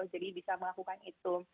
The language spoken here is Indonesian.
jadi bisa melakukan itu